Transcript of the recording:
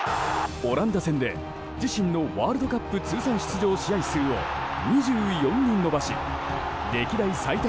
オランダ戦で自身のワールドカップ通算出場試合数を２４に伸ばし歴代最多